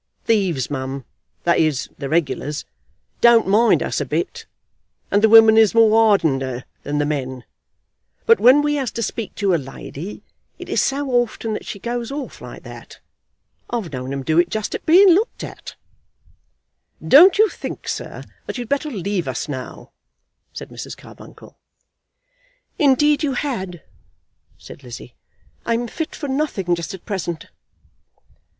Thieves, mum, that is, the regulars, don't mind us a bit, and the women is more hardeneder than the men; but when we has to speak to a lady, it is so often that she goes off like that! I've known 'em do it just at being looked at." "Don't you think, sir, that you'd better leave us now?" said Mrs. Carbuncle. "Indeed you had," said Lizzie. "I'm fit for nothing just at present."